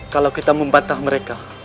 kalau kita membatah mereka